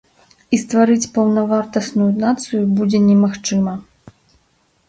І стварыць паўнавартасную нацыю будзе немагчыма.